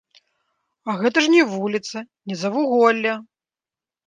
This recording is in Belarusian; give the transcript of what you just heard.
А гэта ж не вуліца, не завуголле.